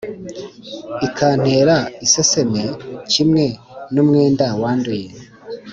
ikantera iseseme kimwe n’umwenda wanduye,